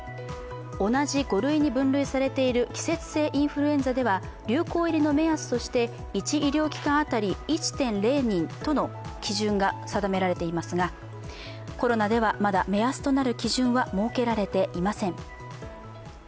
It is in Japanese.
同じ５類に分類されている季節性インフルエンザでは流行入りの目安として１医療機関当たり１．０人との基準が定められていますがコロナではまだ目安となる基準は設けられていません。